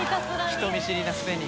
人見知りなくせに。